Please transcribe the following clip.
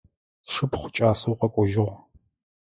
Сшыпхъу кӏасэу къэкӏожьыгъ.